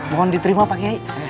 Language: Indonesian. mohon diterima pak kiai